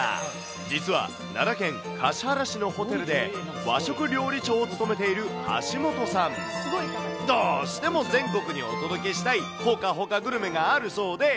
実は、奈良県橿原市のホテルで、和食料理長を務めている橋本さん。どうしても全国にお届けしたいホカホカグルメがあるそうで。